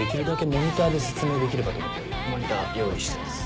モニター用意してます。